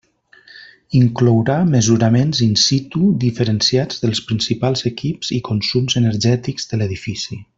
Inclourà mesuraments in situ diferenciats dels principals equips i consums energètics de l'edifici.